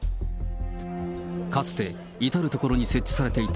かつて至る所に設置されていた